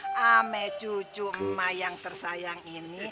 sama cucu emak yang tersayang ini